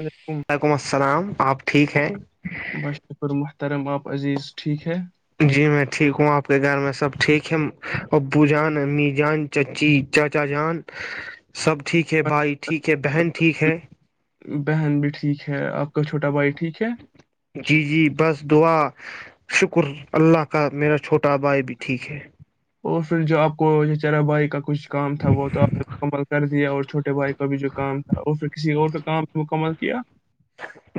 علیکم وعلیکم السلام آپ ٹھیک ہیں بس شکر محترم آپ عزیز ٹھیک ہے [unintelligible] جی میں ٹھیک ہوں آپ کے گھر میں سب ٹھیک ہے ابو جان امی جان چچی چاچا جان سب ٹھیک ہے بھائی ٹھیک ہے بہن ٹھیک ہے بہن بھی ٹھیک ہے آپ کا چھوٹا بھائی ٹھیک ہے جی جی بس دعا شکر اللہ کا میرا چھوٹا بھائی بھی ٹھیک ہے اور پھر جو آپ کو چرہ بھائی کا کچھ کام تھا وہ تو آپ مکمل کر دیا اور چھوے بھائی کا بھی جو کام تھا اور پھر کسی اور کا کام مکمل کیا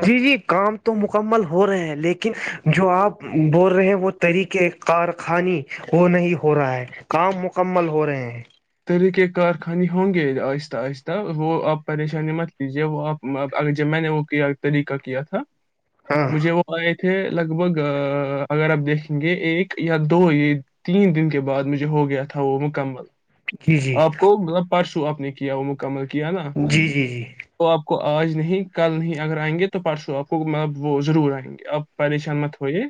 جی جی کام تو مکمل ہو رہے ہیں لیکن جو آپ بول رہے ہیں وہ طریقے کارخانے وہ نہیں ہو رہا ہے کام مکمل ہو رہے ہیں طق کارخانے ہوں گے آہستہ آہستہ وہ آپ پریشانی مت لیجیے وہ آپ ا جب میں نے وہ کیا طریقہ کیا تھا ہاں مجھے وہ آئے تھے لگ بھگ اگر آپ دیکھیں گے ایک یا دو یہ تین دن کے بعد مجھے ہو گیا تھا وہ مکمل جی جی آپ کو مطلب پرسو آپ نے کیا وہ مکمل [unintelligible] جی جی جی آ کو آج نہیں کل نہیں اگر آئیں گے تو پرسوں آپ کو مطلب وہ ضرور آئیں گے آپ پریشان مت ہوئے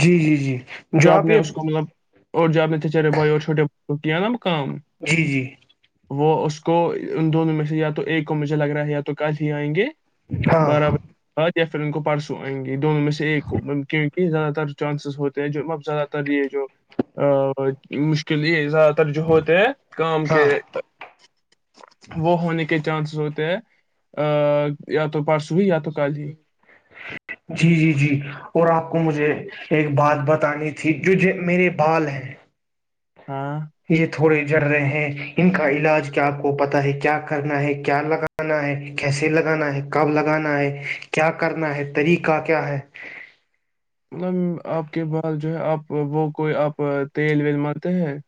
جی جی جی جو آپ نے یہ اس کو مطلب اور جو آ اپ نے چارے بائی اور چھوے ب کیای مقام [unintelligible] جی جی وہ اس کو ان دونوں میں سے یا تو ایک کو مجھے لگ رہا ہے یا تو کل ہی آئیں گے ہاں برابر یا پھر ان کو پرسوں آئ گے یہ دون م میں سے ایک یہ زیادہ تر چانسز ہوتے ہیں جو اب زیادہ تر یہ جو ا مشکل یہ ہے زیادہ تر جو ہوتے ہیں کام ہاں کے وہ ہونے کے چانسز ہوتے ہیں ا یا تو پارسو ہی یا تو کال ہی جی جی جی اور آپ کو مجھے ایک بات بتانی تھی جو جو میرے بال ہیں ہاں یہ تھوڑے جڑ رہے ہیں ان کا علاج کیا آپ کو پتا ہے کیا کرنا ہے کیا لگانا ہے کیسے لگانا ہے کب لگانا ہے کیا کرنا ہے طریقہ کیا ہے مطلب آپ کے بر جو ہے آپ وہ کوئی آپ تیل ویل مارتے ہیں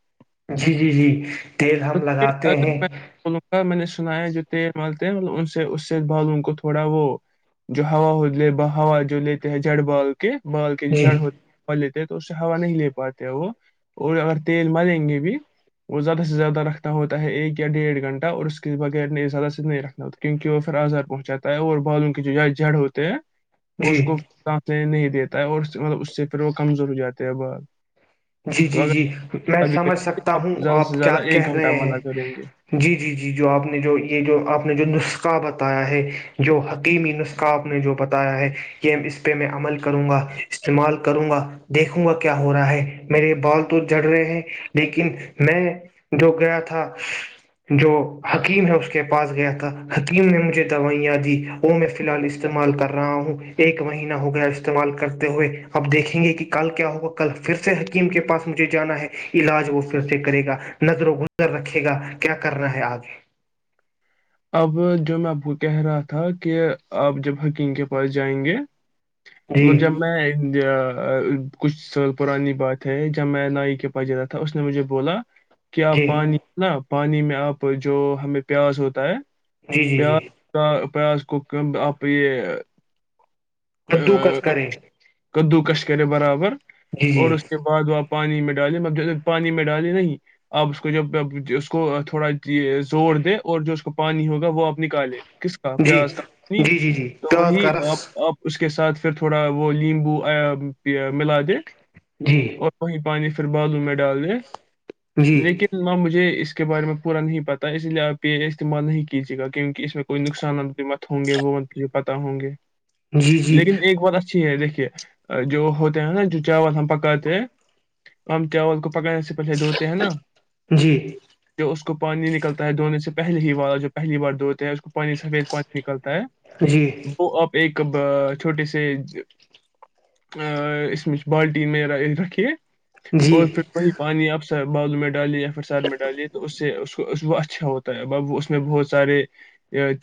جی جی جی تیل ہم لگاتے اگر ہیں میں بولوں گا میں نے سنا جو تیل مالتے ہیں ملب ان سے اس سے بال ان کو تھوڑا وہ جو ہوا ہوا جو لیتے ہیں جڑ بال کے بال کے جی جڑ ہو پ لیتے تو اس سے ہوا نہیں لے پاتے وہ اور اگر تیل مریں گے بھی وہ زیادہ سے زیادہ رکھنا ہوتا ہے ایک یا ڈیڑھ گھنٹہ اور اس کے بغیر نے زیادہ سے نہیں رکھنا ہوتا کیونکہ وہ پھر آزار پہنچ جاتا ہے اور بالوں کے جو جڑ ہوتے ہیں جی اس کوتے نہیں دیتا ہے اور مطلب اس سے پھر وہ کمزور ہو جاتے ہیں بال جی تو جی اگر جی میں ابھی کریں سمجھ گے، سکتا ہوں زیادہ سے آپ زیادہ کیا کہ ایک گھنٹہ رہے مزہ کریں گے ہیں جی جی جی جو آپ نے جو یہ جو آپ نے جو نسخہ بتایا ہے جو حکیمی نسخہ آپ نے جو بتایا ہے یہ اس پہ میں عمل کروں گا استعمال کروں گا دیکھوں گا کیا ہو رہا ہے میرے بال تو جڑ رہے ہیں لیکن میں جو گیا تھا جو حکیم ہے اس کے پاس گیا تھا حکیم نے مجھے دوائیاں دی وہ میں فی الحال استعمال کر رہا ہوں ایک مہینہ ہو گیا استعمال کرتے ہوئے اب دیکھیں گے کہ کل کیا ہوگا کل پھر حکیم کے پاس مجھے جانا ہے علاج وہ پھر سے کرے گا نظر و گزر رکھے گا کیا کرنا ہے آگے اب جو میں آپ کو کہہ رہا تھا کہ آپ جب حکیم کے پاس جائیں گے م جب جی میں کچھ س پرانی بات ہے جب میں نائی کے پاس ج رہا تھا اس نے مجھے بولا کیا جی پانی نا پانی میں آپ جو ہمیں پیاس ہوتا ت جی جی ب جی کا پیاز کوک آپ یہ آ، کدو کس کرے کدو کش کرے برابر جی جی اور اس کے بعد وہ آپ پانی میں ڈالیں م پانی میں ڈالیں نہیں آپ اس کو جب اس کو تھوڑا زور دے اور جو اس کو پانی ہوگا وہ آپ نکالے کس کا جی پیاز کا جی جی جی تو پیاز وہی کا رس آپپ اس کے ساتھ پھر تھوڑا وہ لیمبو ملا دے جی اور وہی پانی سے پھر بعادوں میں ڈال دیں جی لیکن ہاں مجھے اس اس کے بارے میں پورا نہیں پتا اس لیے آپ یہ استعمال نہیں کیجیے گا کیونکہ اس میں کوئی نقصانات بھی مت ہوں گے وہ ان پتتا ہوں گے جی جی لیکن ایک بات اچھی ہے دیکھیے جو ہوتے ہیں ہے نا جو چاول ہم پکاتے ہیں ہم چاول کو پکڑنے سے پہلے دھوتے ہیں نا جی جو اس کو کو پانی نکلتا ہے دھونے سے پہے ہی والارا جو پہلی بار دوڑتا ہے اس کو پانی سفید پانی نکلتا ہے جی وہ اب ایک کب چھوٹے سے ا اس میں بالٹین میں رکھیے اور جی پھر وہی پانی آپ سے بالوں میں ڈالی یا پھر سر میں ڈالی تو اس سے وہ اچھا ہوتا ہے ا وہ اس میں بہت سے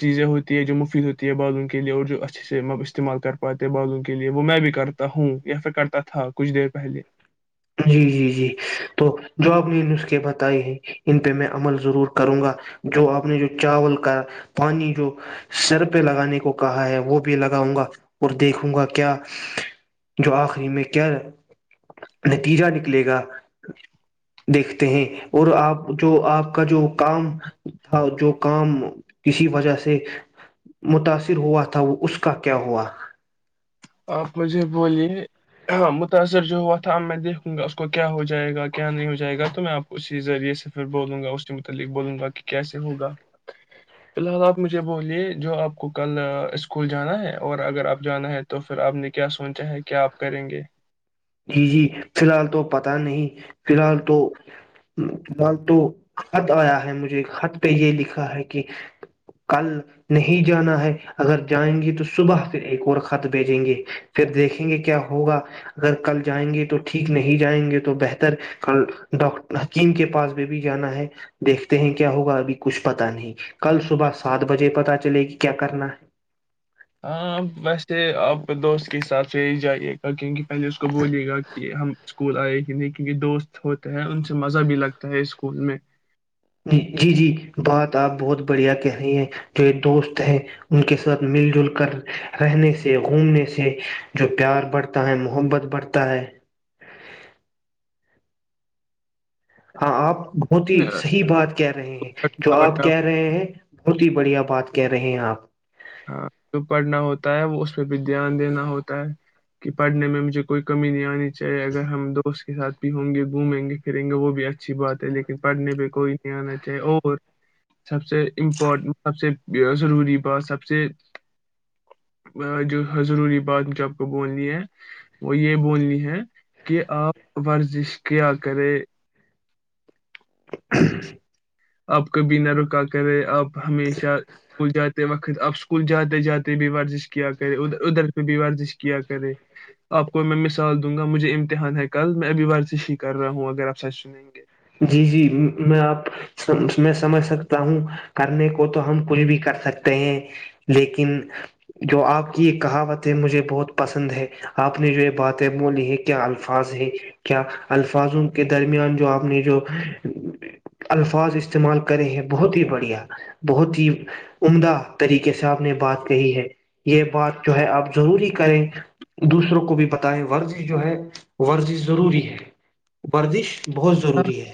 چیزیں ہوتی ہے جو مفید ہوتی ہے بالوں کے لیے اور جو ا اچھے سے م استعمال کر پاتے بغوں کے لیے وہ میں بھی کرتا ہوں یا پھر کرتا تھا کچھ دیر پہلے جی جی جی تو جو آپ نے یہ نسخے بتائے ہیں ان پہ میں عمل ضرور کروں گا جو آپ نے جو چاول کا پانی جو سر پہ لگانے کو کہا ہے وہ بھی لگاؤں گا اور دیکھوں گا کیا جو آخری میں کیا نتیجہ نکلے گا دیکھتے ہیں اور آپ جو آپ کا جو کام تھا جو کام کسی وجہ سے متاثر ہوا تھا اس کا کیا ہوا آپ مجھے بولیے ہاں متاثر جو ہوا تھا اب میں دیکھوں گا اس کو کیا ہو جائے گا کیا نہیں ہو جائے گا تو میں آپ اسی ذریعے سے پھر بولوں گا اس کے متعلق بولوں گا کہ کیسے ہوگا فی الحال آپ مجھے بولیے جو آپ کو کل اسکول جانا ہے اور اگر آپ جانا ہے تو پھر آپ نے کیا سوچا ہے کیا آپ کریں گے؟ جی جی فی الحال تو پت نہیں فی الحال تو فی الحال تو خط آیا ہے مجھے خط پہ یہ لکھا ہے کہ کل نہیں جانا ہے اگر جائیں گے تو صبح پ ایک اور خط بھیجیں گے پھر دیکھیں گے کیا ہوگا اگر کل جائیں گے تو ٹھیک نہیں جائیں گے تو بہتر ڈاکٹر حکیم کے پاس بھی بھی جانا ہے دیکھتے ہیں کیا ہوگا ابھی کچھ پتا نہیں کل صبح سات بجے پتا چلے گی کیا کرنا ہے ہاں ویسے آپ دوست کے ساتھ رہ ہی جائیے گا کیونکہ پہلے اس کو بولیے گا کہ ہم اسکول آئے ہی نہیں کیونکہ دوست ہوتے ہیں ان سے مزہ بھی لگتا ہے اسکول میں ج جی جی بات آپ بہت بڑھیا کہہ رہی ہیں جو ایک دوست ہے ان کے ساتھ مل جل کر رہنے سے گھومنے سے جو پیار بڑھتا ہے محبت بڑھتا ہے ہاں آپ بہت ہی صحی بات کہہ رہے ہیں جو آپ کہہ رہے ہیں بہت ہی بڑھیا بات کہہ رہے ہیں آپ ہاں جو پڑھنا ہوتا ہے وہ اس پہ بھی دھیان دینا ہوتا ہے کہ پڑھنے میں مجھے کوئی کمی نہیں آنی چاہے اگر ہم دوست ساتھ بھی ہوں گے گھومیں گے پھریں گے وہ بھی اچھی بات ہے لیکن پڑھنے پہ کوئی نہیں آنا چاہیے اور سب سے امپورٹنٹ سب سے ضروری بات سب سے سب سے جو ضروری بات جو آپ کو بولنی ہے وہ یہ بولنی ہے کہ آپ ورزش کیا کریں [unintelligible] آپ کبی نہ رکا کرے آپ ہمیشہ اسکول جاتے وقت آپ اسکول جاتے جاتے بھی ورزش کیا کرے ادھر ادھر پہ بھی ورزش کیا کرے آپ کو میں مثال دوں گا مجھے امتحان ہے کل میں ابھی ورزش ہی کر رہا ہوں اگر آپ سچ سنیں گے جی جی میں آپ میں سمجھ سکتا ہوں کرنے کو تو ہم کچھ بھی کر سکتے ہیں لیکن جو آپ کی یہ کہاوت ہے مجھے بہت پسند ہے آپ نے جو یہ باتیں بولی ہے کیا الفاظ ہے کیا الفاظوں کے درمیان جو آپ جو الفاظ استعمال کرے ہیں بہت ہی بڑھیا بہت ہی عمدہ طریقے سے آپ نے بات کہی ہے یہ بات جو ہے آپ ضروری کریں دوسروں کو بھی بتائیں ورزش جو ہے ورزش ضروری ہے ورزش بہت ہ ضروری ہے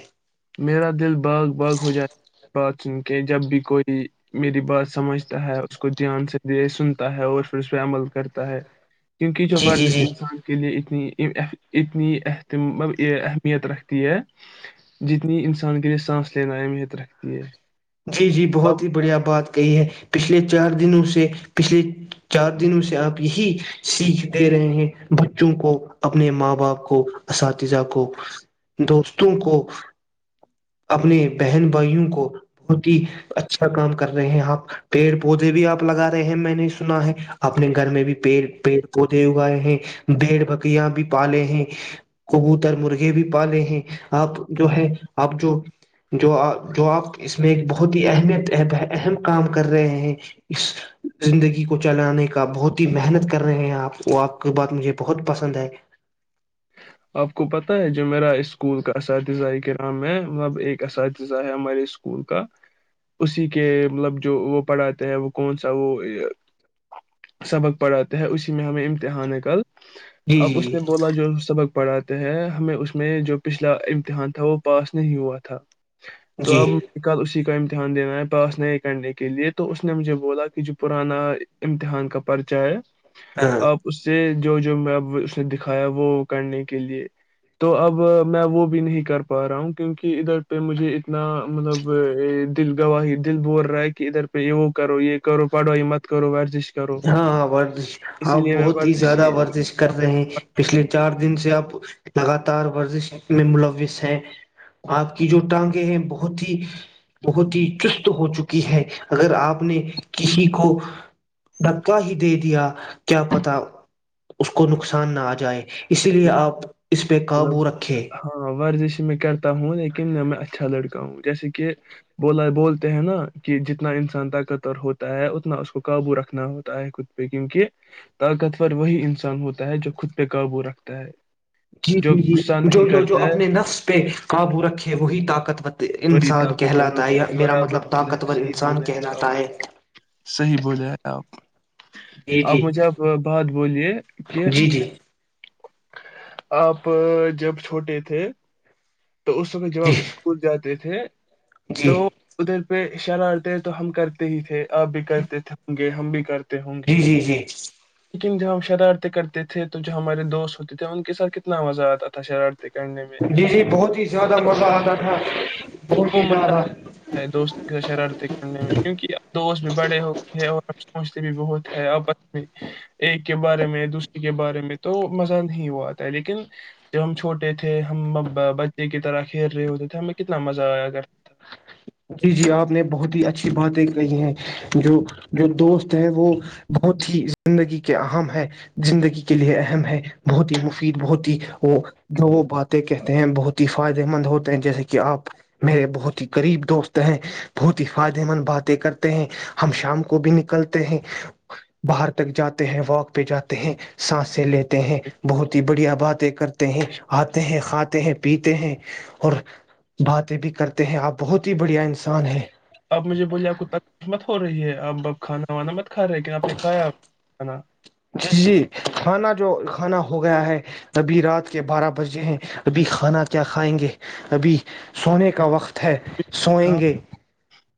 میرا دل باغ باغ ہو جائے بات سن کے جب بھی کوئی میری بات سمجھتا ہے اس کو دھیان سے سنتا ہے اور پھر اس پہ عمل کرتا ہے کیونکہ یہ جو جی جی ورزش جی انسان کے لیے ا اتنی اہتم اہمیت رکھتی ہے جتنی انسان کے لیے سانس لینا اہمیت رکھتی ہے جی جی اب بہت ہی بڑھیا بات کئی ہے پچھلے چار دنوں سے پچھلے چار دنوں سے آپ یہی سیکھ دے رہے ہیں بچوں کو اپنے ماں باپ کو اساتذہ کو دوستوں کو اپنے بہن بھائیوں کو بہت ہی اچھا کام کر رہے ہیں آپ پیڑ پودے بھی آپ لگا رہے ہیں میں نے سنا ہے اپنے گھر میں بھی پڑ پیڑ پودے اگائے ہیں بیڑ بکریاں بھی پالے ہیں کبوتر مرغے بھی پالے ہیں آپ جو ہے آپ جو جو جو آپ اس میں ایک بہت ہی اہمیت اہم کام کر رہے ہیں اس زندگی کو چلانے کا بہت ہی محنت کر رہے ہیں آپ وہ آپ کی بات مجھے بہت پسند ہے آپ کو پتا ہے جو جو میرا اسکول کا سر اتذ کے نام میں مطلب ایک اساتذہ ہے ہمارے اسکول کا اسی کے مطلب جو وہ پڑھاتے ہیں وہ کون سا وہ سبق پڑھاتے ہے اسی میں ہمیں امتحان کل جی آب اس نے جی بولا جو سبق پڑھاتے ہیں ہمیں اس میں جو پچھلا امتحان تھا وہ پاس نہیں ہوا تھا تو جی اب کل اسی کا امتحان امتحان دینا ہے پاس نہیں کرنے کے لیے تو اس نے مجھے بولا کہ جو پرانا امتحان کا پرچہ ہے ہاں آپ اس سے جو جو میں اب اس نے دکھایا وہ کرنے کے لیے تو اب میں وہ بھی نہیں کر پا رہا ہوں کیونکہ ادھر پہ مجھے اتنا مطلب دل گواہی دل بول رہا ہے کہ ادھر پہ یہ وہ کرو یہ کرو پڑھو یہ مت کرو ورزش کرو ہاں ہاں ورزش اسی آپ لیے میں بہت ہی ورزش زیادہ ورزش کر رہے ہیں پچھلے چار دن سے آپ لگاتار ورزش میں ملوث ہے آپ کی جو ٹانگ ہیں بہت ہی بہت ہی چست ہو چکی ہے اگر آپ نے کسی کو دکا ہی دے دیا کیا پتا اس کو نقصان نہ آ جائے اسی لیے اپ اس پہ کام وہ رکھیں السلام علیکم اچھا لڑکا ہوں جیسے کہ بولا ہے بولتے ہیں نا کہ جتنا انسان طاقتور ہوتا ہے اتنا اس کو قابو رکھنا ہوتا ہے کچھ پیکنگ کی ہے طاقتور وہی انسان ہوتا ہے جو خود پہ ہے تو وہ رکھتا ہے اس پہ جو غصہ اتنا جو نہیں جو جو کرتا ہے اپنے نفس پہ ابو رکھے وہی طاقت وہی انسان طاقتور کہلاتا ہوتا ہے میرا برابر مطلب بولے ہیں طاقتور صحیح انسان بولے ہیں آپ کہلاتا ہے صحیح بولے ہیں آپ آپ جی مجھے آپ جی اب جب چھوٹے تھے تو اس وقت جب جی آپ اسکول جاتے کہ جی تو ادھر پہ شرارتےے تو ہم کرتے ہی تھے آ بھی کرتے ہم بھی کر جی جی جی ج ہم شرارتیں کرتے تھے تو ہمارے دوست ہوتے تھے ان کے ساتھ کتنا مزہ آتا تھا شرار جی جی بہت ہی زیادہ مزہ اتا تھا بہت وہ ہی مز زیادہ ہے دوستوں سے شرارتیں کرنے میں کیونکہ اب دوست بھی بڑے ہوتےئے ہیں اور سوچتے بھی بہت ہے آپس میں ایک کے بارے میں دوسرے کے بارے میں تو مزہ نہیں ہو آتا لیکن جب ہم چھوٹے تھے ہم بچے کی طرح کھیل رہے ہوتے تھے ہمیں کتنا مزہ [inaudible] جی شا اپ نے بہت ہی اچھی بات دیکھنی ہے جو جو دوست ہیں وہ بہت ہی زندگی کے عام ہیں زندگی کے لیے اہم ہے بہت ہی حسین بہت ہی وہ جو وہ باتیں کہتے ہیں بہت ہی فائدہ مند ہوتے ہیں جیسے کہ اپ میرے بہت ہی قریب دوست ہیں بہت ہی خادمن باتیں کرتے ہیں ہم شام کو بھی نکلتے ہیں باہر تک جاتے ہیں واک بھی جاتے ہیں سانسیں لیتے ہیں بہت ہی بڑھیا باتیں کرتے ہیں اتے ہیں کھاتے ہیں پیتے ہیں اور باتیں بھی کرتے ہیں اپ یہ پاگل ہے بہت ہی بڑھیا انسان ہے آپ مجھے بولیے آپ کو تکلیف مت ہو رہی ہے اپ اب کھانا وانا مت کھا رہے لیکن آپ نے کھایا کھانا جی جی کھانا جو کھانا ہو ہو گیا ہے ابھی رات کے بارہ بجے ہیں ابھی کھانا کیا کھائیں گے ابھی سونے کا وقت ہے سوئیں ہاں گے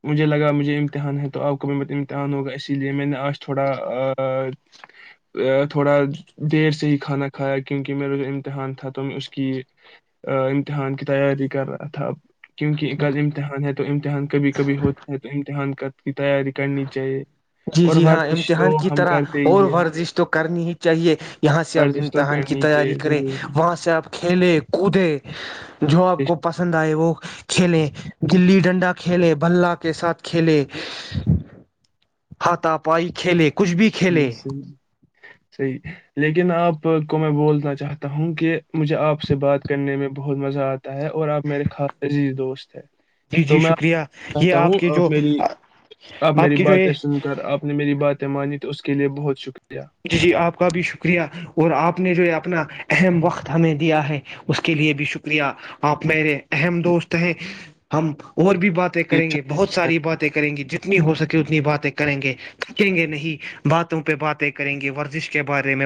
مجھے لگا امتحان ہے تو آپ کو بھی امتحان ہوگا اسی لیے میں نے آج تھوڑا تھوڑا دیر سے ہی کھانا کھایا کیونکہ میرا جو امتحان تھا تو میں اس کی امتحان کی تیاری کر رہا تھا کیونکہ امتحان ہے تو امتحان کبھی کبھی ہوتا ہے تو امتحان کا کی تیاری کرنی چاہیے جی اور جی ہاں ورزش تو امتحان کی ہم طرح کرتے ہی اور ہے ورزش تو کرنی ہی چاہیے یہاں سے آپ ورزش تو امتحان کی کرنی تیاری چاہیے کریں ضروری وہاں سے آپ کھیلیں کودے جو آپ کو پسند آئے وہ کھیلیں گلی ڈنڈا کھیلے بھلہ کے ساتھ کھیلے ہاتا پائی کھیلے کچھ بھی صحیح کھیلیں صحیح صحیح لیکن آپ کو میں بولنا چاہتا ہوں کہ مجھے آپ سے بات کرنے میں بہت مزہ آتا ہے اور آپ میرے خا عزیز دوست ہے جی تو جی میں شکریہ یہ چتا ہوں کے آپ جو میری آپ میری کی جو یہ باتیں سن کر آپ نے میری بات تمع تو اس کے لیے بہت شکریہ جی جی آپ کا بھی شکریہ اور آپ آپ نے جو ہے اپنا اہم وقت ہمیں دیا ہے اس کے لیے بھی شکریہ آپ میرے اہم دوست ہیں ہمپ اور بھی باتیں یہ کریں گے بہت اچھا ساری باتیں کریں گی جتنی ہو سکے اتنی باتیں کریں گے سکیں گے نہیں باتوں پہ بات کریں گے ورزش کے بارے میں